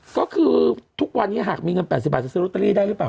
ก็คือทุกวันนี้หากมีเงิน๘๐บาทจะซื้อลอตเตอรี่ได้หรือเปล่า